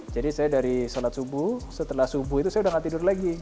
jadi saya dari shalat subuh setelah subuh itu saya udah gak tidur lagi